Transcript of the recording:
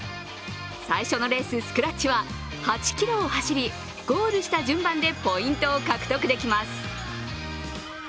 最初のレース、スクラッチは８ｋｍを走り、ゴールした順番でポイントを獲得できます。